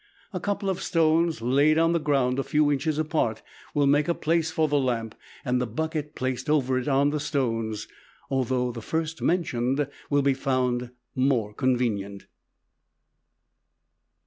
A couple of stones laid on the ground a few inches apart will make a place for the lamp and the bucket placed over it on the stones, although the first mentioned will be found more convenient.